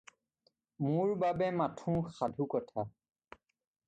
মোৰ বাবে মাথোঁ সাধুকথা।